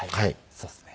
そうですね。